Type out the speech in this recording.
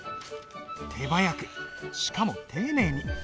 手早くしかも丁寧に。